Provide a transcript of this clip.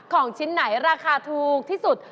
ของชิ้นไหนราคาถูกที่สุด